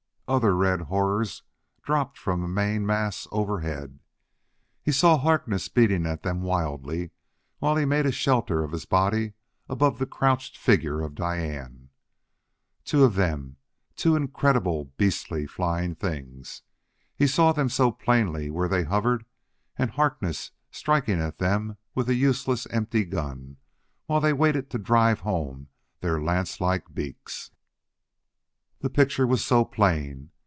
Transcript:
Other red horrors dropped from the main mass overhead; he saw Harkness beating at them wildly while he made a shelter of his body above the crouched figure of Diane. Two of them two incredible, beastly, flying things! He saw them so plainly where they hovered, and Harkness striking at them with a useless, empty gun, while they waited to drive home their lance like beaks. The picture was so plain!